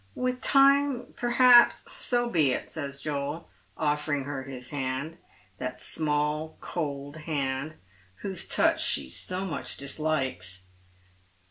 With time, perhaps "" So be it," says Joel, oflEering her his hand, that small, cold hand, whose touch she so much dislikes.